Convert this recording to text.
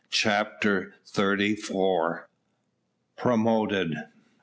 CHAPTER THIRTY FOUR. PROMOTED.